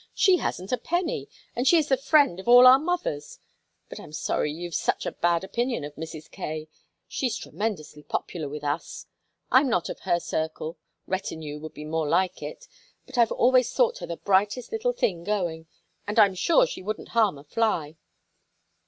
"She hasn't a penny, and is the friend of all our mothers. But I'm sorry you've such a bad opinion of Mrs. Kaye. She's tremendously popular with us. I'm not one of her circle retinue would be more like it; but I've always thought her the brightest little thing going, and I'm sure she wouldn't harm a fly."